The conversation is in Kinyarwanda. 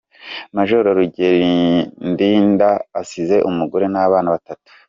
Majoro Rugerindinda asize umugore n’abana batatu.